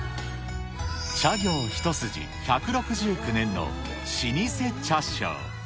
茶業一筋１６９年の老舗茶商。